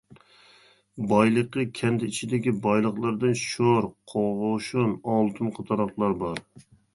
بايلىقى كەنت ئىچىدىكى بايلىقلىرىدىن شور، قوغۇشۇن، ئالتۇن قاتارلىقلار بار.